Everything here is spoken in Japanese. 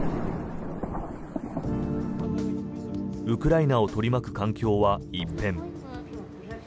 ウクライナを取り巻く環境は一変。